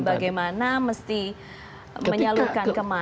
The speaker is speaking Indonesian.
bagaimana mesti menyalurkan kemana